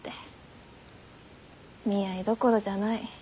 「見合いどころじゃない」。